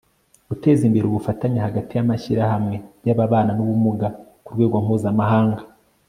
guteza imbere ubufatanye hagati y'amashyirahamwe y'ababana n'ubumuga ku rwego mpuzamahanga